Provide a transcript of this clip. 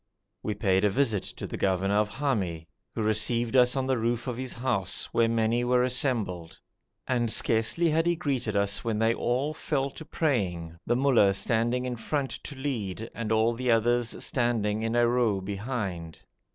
We paid a visit to the governor of Hami, who received us on the roof of his house, where many were assembled, and scarcely had he greeted us when they all fell to praying, the mollah standing in front to lead, and all the others standing in a row behind.